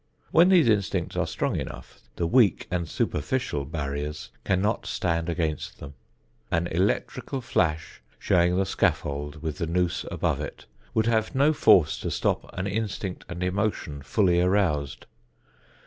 When these instincts are strong enough, the weak and superficial barriers cannot stand against them. An electrical flash showing the scaffold with the noose above it would have no force to stop an instinct and emotion fully aroused.